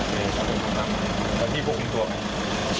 ไปเอาไปกินรถ